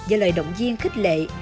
và lời động viên khích lệ